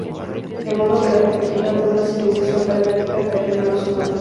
De modo que la complejidad de una civilización galáctica cayó en manos humanas.